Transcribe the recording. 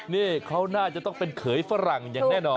นี่เขาน่าจะต้องเป็นเขยฝรั่งอย่างแน่นอน